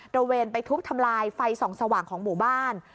ระเวนไปทุบทำลายไฟส่องสว่างของหมู่บ้าน